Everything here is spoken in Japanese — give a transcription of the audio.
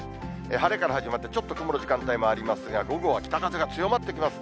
晴れから始まって、ちょっと曇る時間帯もありますが、午後は北風が強まってきますね。